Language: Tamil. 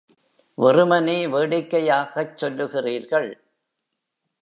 வெறுமனே வேடிக்கைக்காகச் சொல்லுகிறீர்கள்.